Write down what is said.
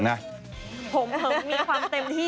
งานถักทออยู่ที่หัวนี้แหละค่ะมีความถักทอขันหลังให้ดูนี่